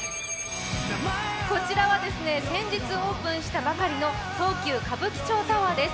こちらは先日オープンしたばかりの東急歌舞伎町タワーです。